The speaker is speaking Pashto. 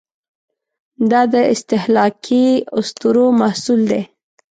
دا د استهلاکي اسطورو محصول دی.